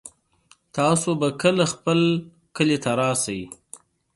تاسو به کله خپل کلي ته راشئ